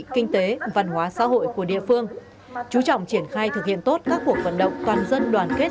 kinh tế văn hóa xã hội của địa phương chú trọng triển khai thực hiện tốt các cuộc vận động toàn dân đoàn kết